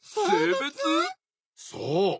そう。